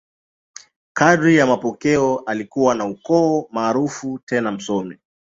Kadiri ya mapokeo, alikuwa wa ukoo maarufu tena msomi.